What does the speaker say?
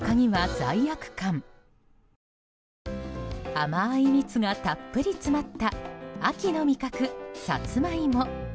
甘い蜜がたっぷり詰まった秋の味覚サツマイモ。